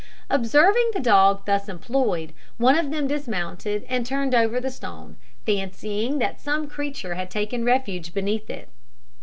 Observing the dog thus employed, one of them dismounted and turned over the stone, fancying that some creature had taken refuge beneath it.